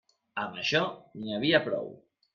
Amb això n'hi havia prou.